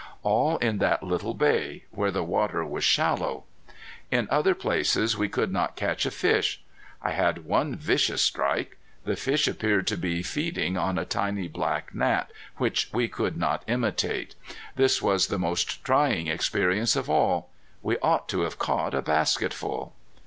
All in that little bay, where the water was shallow! In other places we could not catch a fish. I had one vicious strike. The fish appeared to be feeding on a tiny black gnat, which we could not imitate. This was the most trying experience of all. We ought to have caught a basketful.